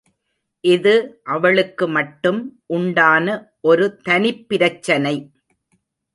இது அவளுக்கு மட்டும் உண்டான ஒரு தனிப்பிரச்சனை.